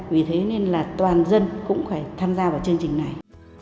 vì thế nên là toàn dân cũng phải tham gia vào chương trình này